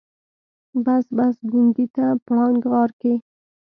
بس بس ګونګي ته پړانګ غار کې.